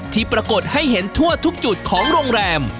ที่ปรากฏให้เห็นทั่วทุกจุดของโรงแรม